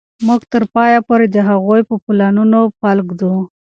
موږ به تر پایه پورې د هغوی په پلونو پل ږدو.